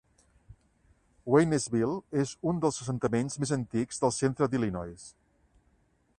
Waynesville és un dels assentaments més antics del centre d'Illinois.